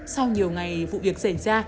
sau nhiều ngày vụ việc xảy ra